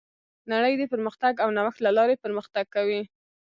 نړۍ د پرمختګ او نوښت له لارې پرمختګ کوي.